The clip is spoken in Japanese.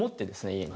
家に。